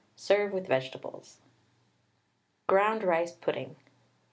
Serve with vegetables. GROUND RICE PUDDING.